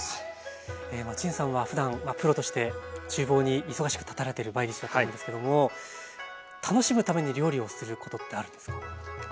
陳さんはふだんプロとしてちゅう房に忙しく立たれてる毎日だと思うんですけども楽しむために料理をすることってあるんですか？